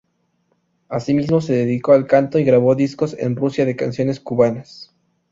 Asimismo se dedicó al canto y grabó discos en Rusia de canciones cubanas.